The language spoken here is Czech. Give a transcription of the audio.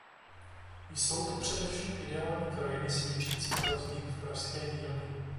Jsou to především ideální krajiny svědčící pro vznik v pražské dílně.